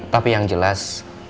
tapi yang jelas